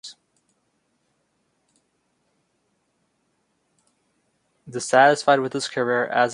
Fu is the ninth recipient of the Diversity Award and first Asian American.